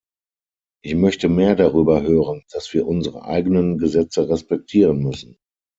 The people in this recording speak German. Ich möchte mehr darüber hören, dass wir unsere eigenen Gesetze respektieren müssen.